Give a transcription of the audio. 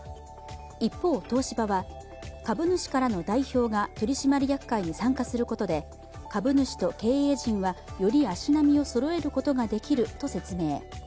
一方、東芝は株主からの代表が取締役会に参加することで株主と経営陣はより足並みをそろえることができると説明。